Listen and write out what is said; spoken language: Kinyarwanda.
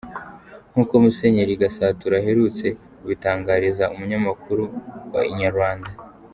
Nkuko Musenyeri Gasatura aherutse kubitangariza umunyamakuru wa Inyarwanda.